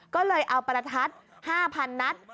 ก็เลยเอาประทัด๕๐๐๐นัด